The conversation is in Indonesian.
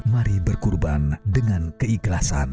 mari berkorban dengan keikhlasan